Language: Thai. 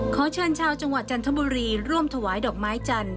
ขอเชิญชาวจังหวัดจันทบุรีร่วมถวายดอกไม้จันทร์